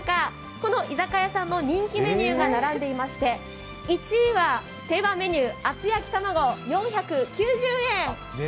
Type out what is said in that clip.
この居酒屋さんの人気メニューが並んでいまして１位は定番メニュー、厚焼き玉子、４９０円。